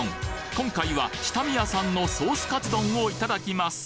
今回は志多美屋さんのソースかつ丼をいただきます